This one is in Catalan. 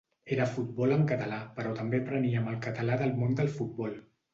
Era futbol en català però també apreníem el català del món del futbol.